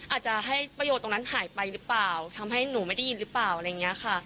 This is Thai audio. อาจจะให้ประโยชน์ตรงนั้นหายไปหรือเปล่าทำให้หนูไม่ได้ยินหรือเปล่าอะไรอย่างนี้ค่ะ